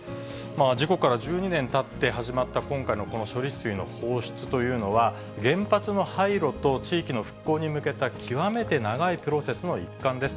事故から１２年たって始まった、今回のこの処理水の放出というのは、原発の廃炉と地域の復興に向けた、極めて長いプロセスの一環です。